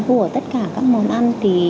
của tất cả các món ăn